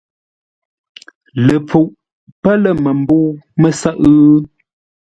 Ləpfuʼ pə́ lə̂ məmbə̂u mə́sə́ʼə́?